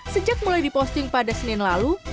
sejak mulai diposting pada senin lalu